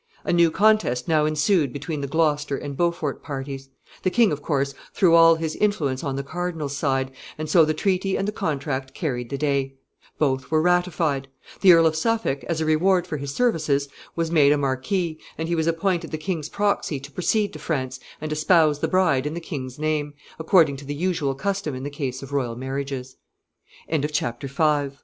A new contest now ensued between the Gloucester and Beaufort parties. The king, of course, threw all his influence on the cardinal's side, and so the treaty and the contract carried the day. Both were ratified. The Earl of Suffolk, as a reward for his services, was made a marquis, and he was appointed the king's proxy to proceed to France and espouse the bride in the king's name, accord